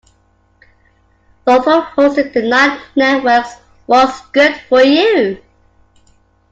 Thornton hosted the Nine Network's "What's Good For You".